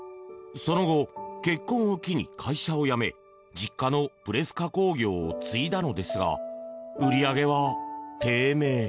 その後、結婚を機に会社を辞め実家のプレス加工業を継いだのですが売り上げは低迷。